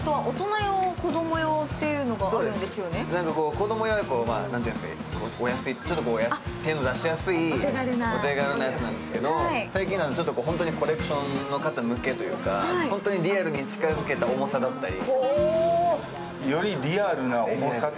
子供用はお安く、手の出しやすいお手軽なやつなんですけど最近、本当にコレクションの方向けというか本当にリアルに近づけた重さだったり。